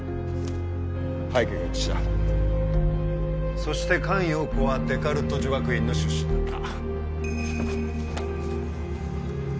⁉背景が一致したそして菅容子はデカルト女学院の出身だった。